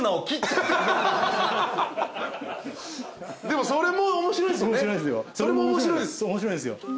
でもそれも面白いですよね。